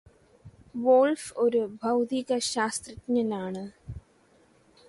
wolf ഒരു ഭൗതിക ശാസ്ത്രജ്ഞനാണ്